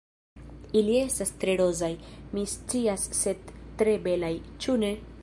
Ili estas tre rozaj, mi scias sed tre belaj, ĉu ne?